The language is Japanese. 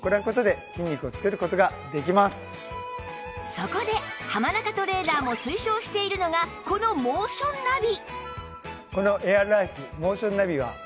そこで浜中トレーナーも推奨しているのがこのモーションナビ